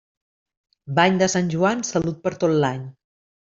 Bany de Sant Joan, salut per tot l'any.